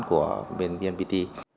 của bên bnpt